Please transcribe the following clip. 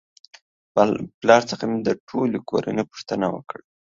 پلار څخه مې د ټولې کورنۍ پوښتنه وکړه